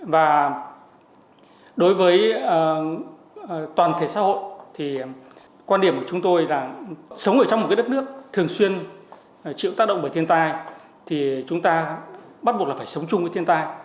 và đối với toàn thể xã hội thì quan điểm của chúng tôi là sống ở trong một cái đất nước thường xuyên chịu tác động bởi thiên tai thì chúng ta bắt buộc là phải sống chung với thiên tai